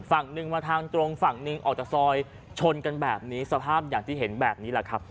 ฝั่งหนึ่งมาทางตรงฝั่งหนึ่งออกจากซอยชนกันแบบนี้สภาพอย่างที่เห็นแบบนี้แหละครับ